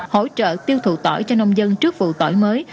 hỗ trợ tiêu thụ tỏi cho nông dân trước vụ tỏi mới